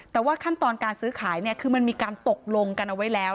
แต่ว่าขั้นตอนการซื้อขายเนี่ยคือมันมีการตกลงกันเอาไว้แล้ว